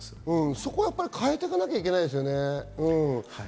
そこは変えていかなきゃいけないですよね。